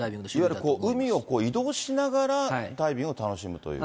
いわゆる海を移動しながらダイビングを楽しむという。